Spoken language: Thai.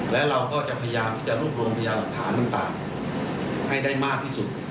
และเราก็จะพยายามที่จะรวบรวมพยานหลักฐานต่างให้ได้มากที่สุด